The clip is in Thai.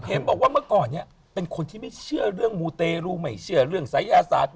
เห็นบอกว่าเมื่อก่อนเนี่ยเป็นคนที่ไม่เชื่อเรื่องมูเตรูไม่เชื่อเรื่องศัยศาสตร์